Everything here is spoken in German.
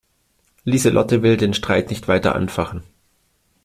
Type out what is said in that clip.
Lieselotte will den Streit nicht weiter anfachen.